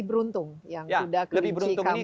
kenapa lebih beruntung yang kuda